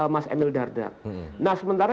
mas emil dardak nah sementara